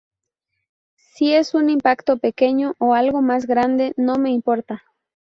Si es un impacto pequeño o algo más grande, no me importa.